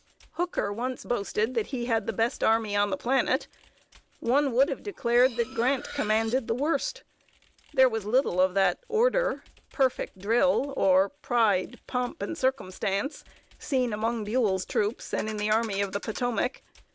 Hooker once boasted that he had the best army on the planet. One would have declared that Grant commanded the worst. There was little of that order, perfect drill, or pride, pomp, and circumstance, seen among Buell's troops and in the Army of the Potomac.